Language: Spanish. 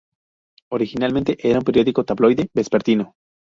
Originalmente era un periódico tabloide vespertino.